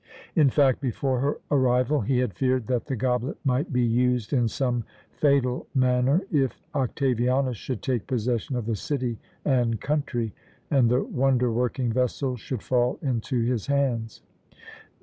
In fact, before her arrival, he had feared that the goblet might be used in some fatal manner if Octavianus should take possession of the city and country, and the wonder working vessel should fall into his hands.